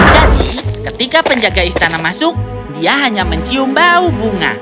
jadi ketika penjaga istana masuk dia hanya mencium bau bunga